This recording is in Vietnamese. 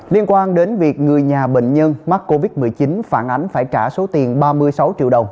liên quan đến việc người nhà bệnh nhân mắc covid một mươi chín phản ánh phải trả số tiền ba mươi sáu triệu đồng